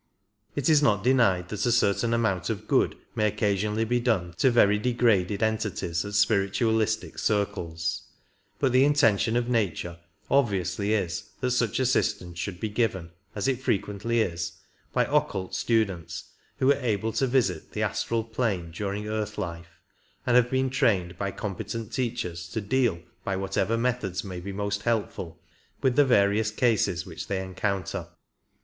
It is not denied that a certain amount of good may occasionally be done to very degraded entities at spiritualistic circles ; but the intention of nature obviously is that such assistance should be given, as it frequently is, by occult students who are able to visit the astral plane during earth life, and have been trained by competent teachers to deal by whatever methods may be most helpful with the various cases which they encounter.